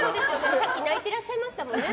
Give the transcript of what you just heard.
さっき泣いてらっしゃいましたもんね。